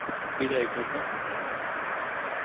বিদায়, ভ্রাতা।